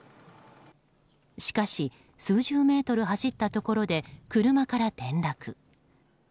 しかし数十メートル走ったところで車から転落。